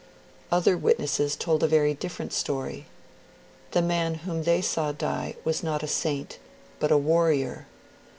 Other witnesses told a very different story. The man whom they saw die was not a saint but a warrior.